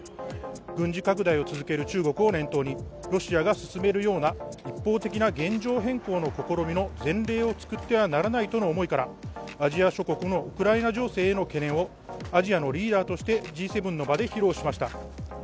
軍事拡大を続ける中国を念頭にロシアが進めるような一方的な現状変更の試みの前例を作ってはならないとの思いから、アジア諸国のウクライナ情勢への懸念をアジアのリーダーとしてＧ７の場で披露しました。